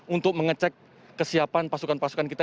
untuk mengecek kesiapan pasukan pasukan kita